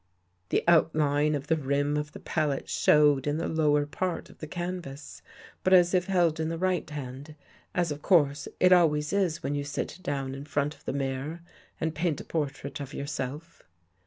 The outline of the rim of the pal ette showed in the lower part of the canvas, but as if held in the right hand, as of course it always is when you sit down in front of the mirror and paint a portrait of yourself.